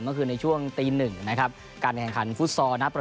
ก็คือในช่วงตีหนึ่งนะครับการแข่งขันฟุตซอลนะ